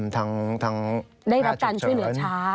ทางแพทย์ฉุกเฉินได้รับการช่วยเหลือช้า